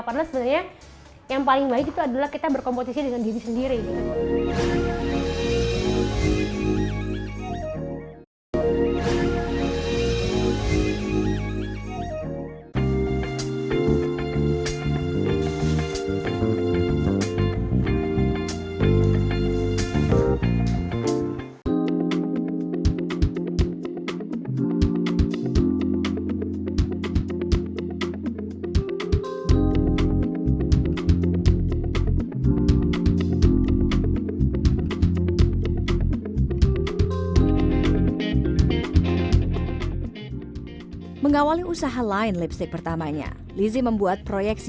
padahal sebenarnya yang paling baik itu adalah kita berkompetisi dengan diri sendiri